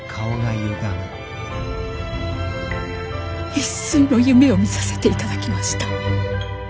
一炊の夢を見させて頂きました。